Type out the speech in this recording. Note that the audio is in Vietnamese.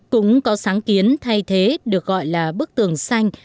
cũng có sáng kiến thay thế được gọi là bức tường xanh